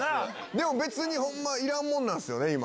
でも、別にほんまいらんもんなんですよね、今。